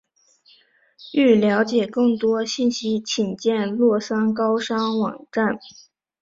欲了解更多信息请见洛桑高商网站。